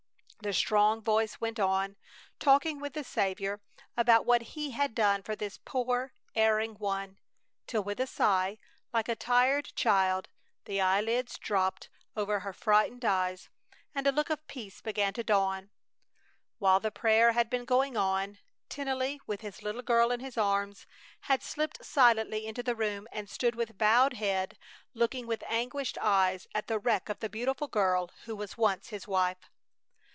The strong voice went on, talking with the Saviour about what He had done for this poor erring one, till with a sigh, like a tired child, the eyelids dropped over her frightened eyes and a look of peace began to dawn. While the prayer had been going on, Tennelly, with his little girl in his arms, had slipped silently into the room and stood with bowed head looking with anguished eyes at the wreck of the beautiful girl who was once his wife.